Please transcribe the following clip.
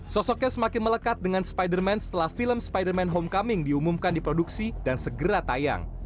sosoknya semakin melekat dengan spider man setelah film spider man homecoming diumumkan diproduksi dan segera tayang